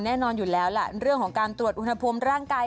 แน่นอนอยู่แล้วแหละเรื่องของการตรวจอุณหภูมิร่างกาย